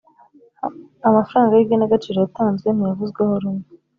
amafaranga y igenagaciro yatanzwe ntiyavuzweho rumwe